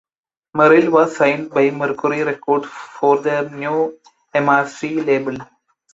Merrill was signed by Mercury Records for their new Emarcy label.